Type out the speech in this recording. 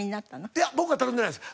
いや僕は頼んでないです。